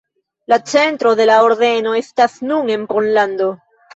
La centro de la ordeno estas nun en Pollando.